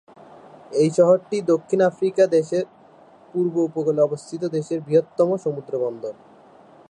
এই শহরটি দক্ষিণ আফ্রিকা দেশের পূর্ব উপকূলে অবস্থিত দেশের ব্যস্ততম সমুদ্রবন্দর।